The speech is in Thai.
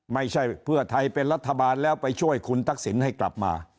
ไม่ใช่เพื่อไทยเป็นรัฐบาลแล้วไปช่วยคุณทักษิณให้กลับมา